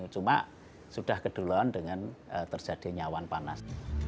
cuma sudah keduluan dengan terjadi nyawan panas